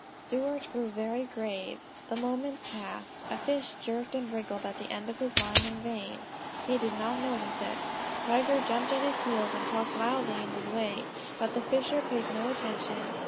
Stuart grew very grave. The moments passed; a fish jerked and wriggled at the end of his line in vain; he did not notice it. Tiger jumped at his heels and talked loudly in his way, but the fisher paid no attention.